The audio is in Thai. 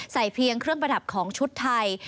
เพียงเครื่องประดับของชุดไทย